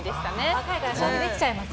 若いから消費できちゃいます